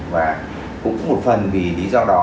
và cũng một phần vì lý do đó